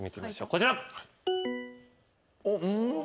こちら。